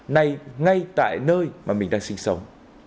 nay ngay tại nơi mà mình đang sinh sống